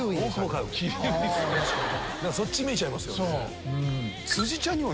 そっちに見えちゃいますよね。